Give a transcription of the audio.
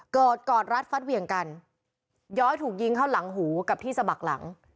เกิดกอดรัดฟัดเหวี่ยงกันย้อยถูกยิงเข้าหลังหูกับที่สะบักหลัง